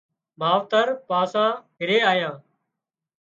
ماوترپاسان گھرِي آيان